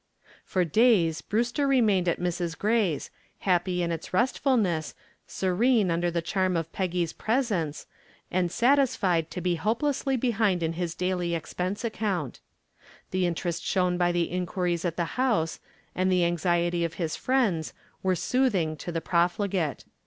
For days Brewster remained at Mrs. Gray's, happy in its restfulness, serene under the charm of Peggy's presence, and satisfied to be hopelessly behind in his daily expense account. The interest shown by the inquiries at the house and the anxiety of his friends were soothing to the profligate.